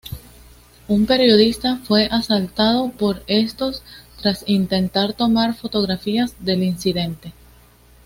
Un periodista fue asaltado por estos tras intentar tomar fotografías del incidente.